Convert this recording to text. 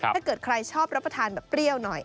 ถ้าเกิดใครชอบรับประทานแบบเปรี้ยวหน่อย